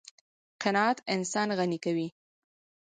قناعت انسان غني کوي.